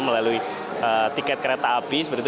melalui tiket kereta api seperti itu